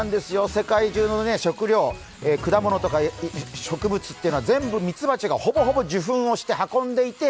世界じゅうの食料、果物とか植物っていうのは全部、ミツバチがほぼほぼ受粉して運んでくれて